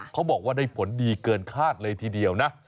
เขาบอกว่าได้ผลดีเกินคาดเลยทีเดียวนะ